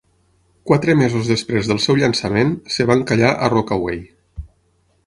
Quatre mesos després del seu llançament, es va encallar a Rockaway.